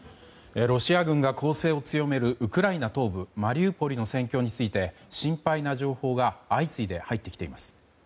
ロシア軍が攻勢を強めるウクライナ東部マリウポリの戦況について心配な情報が相次いで入ってきています。